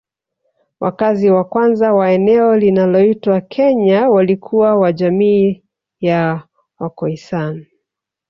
Wakazi wa kwanza wa eneo linaloitwa Kenya walikuwa wa jamii ya Wakhoisan